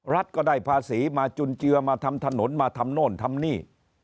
รัฐก็ได้ภาษีมาจุนเจือมาทำถนนมาทำโน่นทำนี่